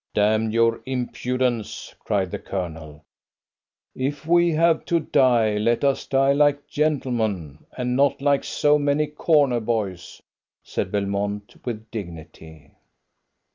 "Damn your impudence!" cried the Colonel. "If we have to die, let us die like gentlemen, and not like so many corner boys," said Belmont with dignity.